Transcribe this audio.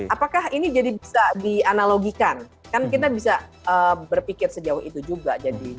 apakah ini jadi bisa dianalogikan kan kita bisa berpikir sejauh itu juga